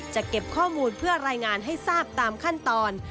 เก็บข้อมูลเพื่อรายงานให้ทราบตามขั้นตอน